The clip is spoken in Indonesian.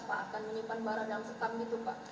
akan menyimpan barang dalam sekam gitu pak